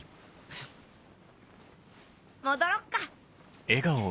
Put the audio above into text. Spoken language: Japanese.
戻ろっか。